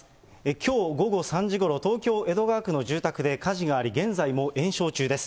きょう午後３時ごろ、東京・江戸川区の住宅で火事があり、現在も延焼中です。